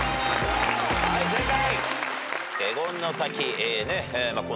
はい正解。